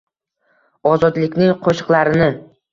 Ozodlikning qo’shiqlarini.